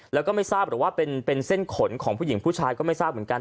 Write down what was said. แล้วก็ไม่ทราบหรือว่าเป็นเส้นขนของผู้หญิงผู้ชายก็ไม่ทราบเหมือนกัน